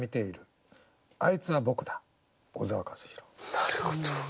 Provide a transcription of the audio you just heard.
なるほど。